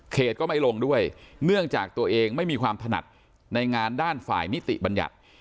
ก็ไม่ลงด้วยเนื่องจากตัวเองไม่มีความถนัดในงานด้านฝ่ายนิติบัญญัติ